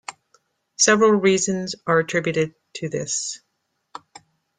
Several reasons are attributed to this.